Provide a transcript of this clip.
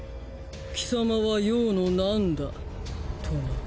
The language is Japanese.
貴様は葉のなんだ？とな。